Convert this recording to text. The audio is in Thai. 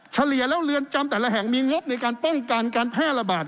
เฉลี่ยแล้วเรือนจำแต่ละแห่งมีงบในการป้องกันการแพร่ระบาด